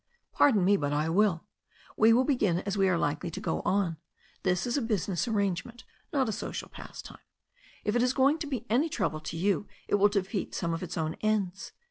"Pardon me, but I will. We will begin as we are likely to go on. This is a business arrangement, not a social pastime. If it is going to be any trouble to you it will defeat some of its own ends.